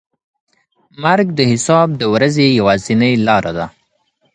مرګ د حساب د ورځې یوازینۍ لاره ده.